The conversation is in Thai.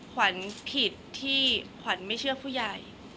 ขวัญผิดที่ขวัญไม่เชื่อผู้ใหญ่